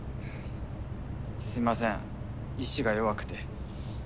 すみません意志が弱くて。